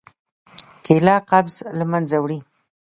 کېله قبض له منځه وړي.